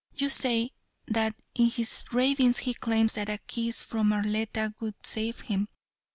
You say that in his ravings he claims that a kiss from Arletta would save him.